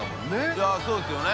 いやそうですよね。